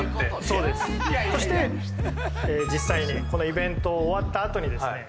そうですそして実際にこのイベントを終わったあとにですね